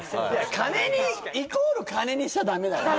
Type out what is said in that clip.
金にイコール金にしちゃダメだよ